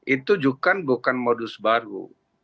itu bukan modus baru